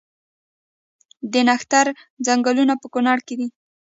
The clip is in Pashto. د نښتر ځنګلونه په کنړ کې دي؟